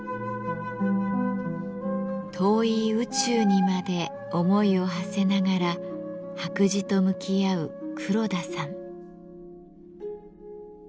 遠い宇宙にまで思いをはせながら白磁と向き合う黒田さん。